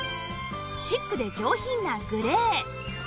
シックで上品なグレー